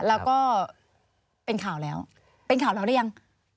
แล้วก็เป็นข่าวแล้วเป็นข่าวแล้วหรือยัง